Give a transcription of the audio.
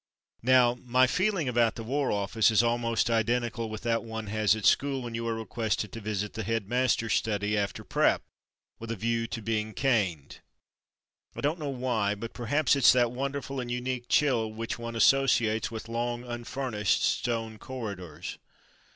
Now, my feeling about the War Office is almost identical with that one has at school, when you are requested to visit the head master's study after "prep. '' with a view to being caned. I don't know why, but per haps it's that wonderful and unique chill which one associates with long unfurnished stone corridors.